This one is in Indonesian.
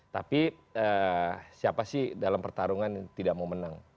tapi siapa sih dalam pertarungan tidak mau menang